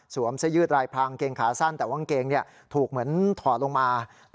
เสื้อยืดรายพรางเกงขาสั้นแต่ว่ากางเกงถูกเหมือนถอดลงมา